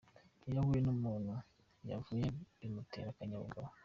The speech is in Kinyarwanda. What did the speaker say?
Iyo ahuye n’umuntu yavuye bimutera akanyabugabo.